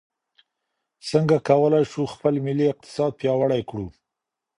څنګه کولای سو خپل ملي اقتصاد پیاوړی کړو؟